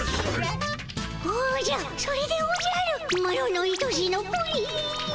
おじゃそれでおじゃるマロのいとしのプリン。